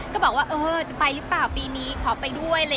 ก็บอกว่าเออจะไปหรือเปล่าปีนี้ขอไปด้วย